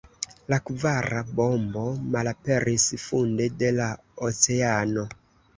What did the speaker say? La kvara bombo malaperis funde de la oceano.